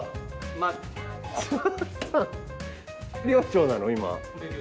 寮長なの今？